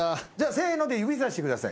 せーので指さしてください